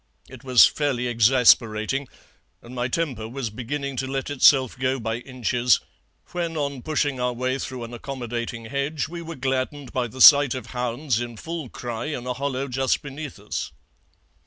It was fairly exasperating, and my temper was beginning to let itself go by inches, when on pushing our way through an accommodating hedge we were gladdened by the sight of hounds in full cry in a hollow just beneath us.